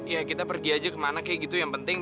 ya kita pergi aja kemana kayak gitu yang penting